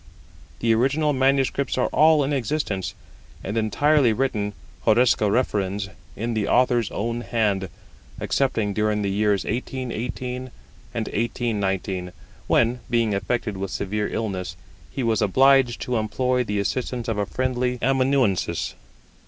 The original manuscripts are all in existence, and entirely written (horresco referens) in the Author's own hand, excepting during the years 1818 and 1819, when, being affected with severe illness, he was obliged to employ the assistance of a friendly amanuensis.